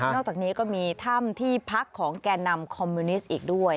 อกจากนี้ก็มีถ้ำที่พักของแก่นำคอมมิวนิสต์อีกด้วย